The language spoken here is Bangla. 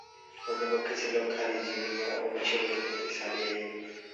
অন্য পক্ষে ছিল খারিযিমিয়্যাহ ও মিসর অধিপতি সালিহ আইয়ুব।